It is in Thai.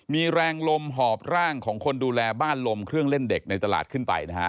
มีแรงลมหอบร่างของคนดูแลบ้านลมเครื่องเล่นเด็กในตลาดขึ้นไปนะฮะ